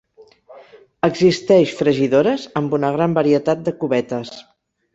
Existeix fregidores amb una gran varietat de cubetes.